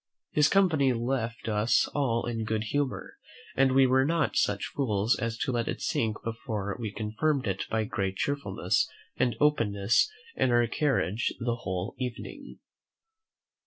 His company left us all in good humour, and we were not such fools as to let it sink before we confirmed it by great cheerfulness and openness in our carriage the whole evening.